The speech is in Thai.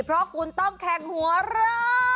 เพราะคุณต้องแข่งหัวเราะ